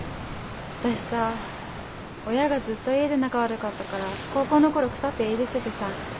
私さ親がずっと家で仲悪かったから高校の頃腐って家出しててさ。